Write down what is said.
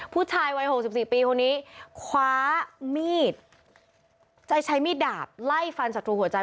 ผู้ชายวัย๖๔ปีคนนี้คว้ามีดจะใช้มีดดาบไล่ฟันศัตรูหัวใจ